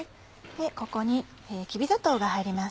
ここにきび砂糖が入ります。